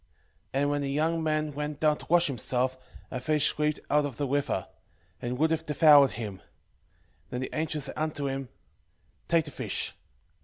6:2 And when the young man went down to wash himself, a fish leaped out of the river, and would have devoured him. 6:3 Then the angel said unto him, Take the fish.